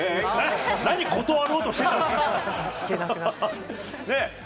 何断ろうとしてたんだ。